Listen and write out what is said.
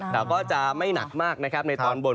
แต่ก็จะไม่หนักมากในตอนบน